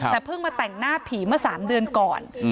แต่เพิ่งมาแต่งหน้าผีเมื่อ๓เดือนก่อน